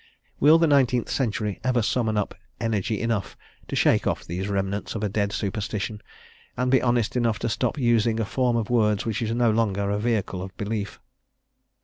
Will the nineteenth century ever summon up energy enough to shake off these remnants of a dead superstition, and be honest enough to stop using a form of words which is no longer a vehicle of belief?